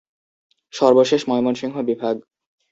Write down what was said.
সর্বশেষ ময়মনসিংহ বিভাগ।